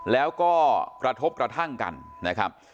แล้วก็กระทบกระทั่งกันนะครับ